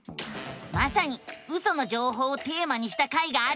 まさにウソの情報をテーマにした回があるのさ！